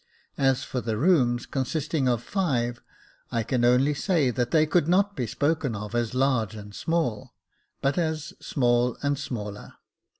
As for the rooms, consisting of five, I can only say that they could not be spoken of as large and small, but as small and smaller.